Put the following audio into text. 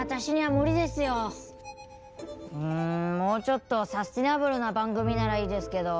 うんもうちょっとサスティナブルな番組ならいいですけど。